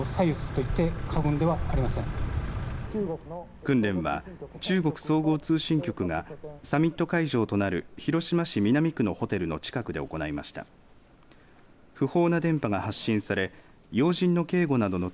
訓練は中国総合通信局がサミット会場となる広島市南区のホテルの近くで行いました。